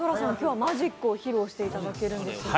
マジックを披露してくださるんですよね。